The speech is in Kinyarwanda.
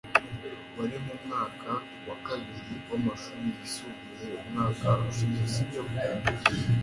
wari mu mwaka wa kabiri w'amashuri yisumbuye umwaka ushize, sibyo